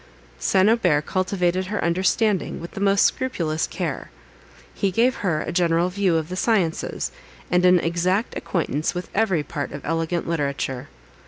St. Aubert cultivated her understanding with the most scrupulous care. He gave her a general view of the sciences, and an exact acquaintance with every part of elegant literature.